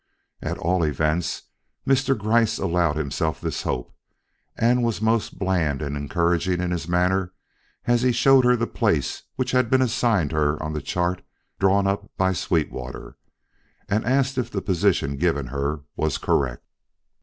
At all events Mr. Gryce allowed himself this hope and was most bland and encouraging in his manner as he showed her the place which had been assigned her on the chart drawn up by Sweetwater, and asked if the position given her was correct.